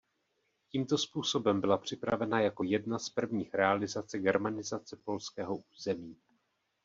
Tímto způsobem byla připravena jako jedna z prvních realizace germanizace polského území.